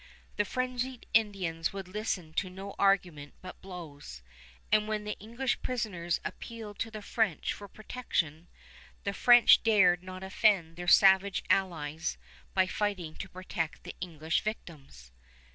The frenzied Indians would listen to no argument but blows; and when the English prisoners appealed to the French for protection, the French dared not offend their savage allies by fighting to protect the English victims.